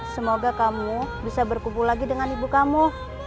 semoga kamu bisa berkumpul lagi dengan ibu kamu